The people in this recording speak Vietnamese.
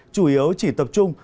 chủ yếu chỉ tập trung